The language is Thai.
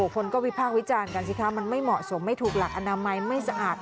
คนก็วิพากษ์วิจารณ์กันสิคะมันไม่เหมาะสมไม่ถูกหลักอนามัยไม่สะอาด